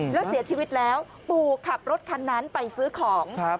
แล้วเสียชีวิตแล้วปู่ขับรถคันนั้นไปซื้อของ